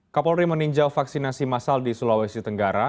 kapolri meninjau vaksinasi masal di sulawesi tenggara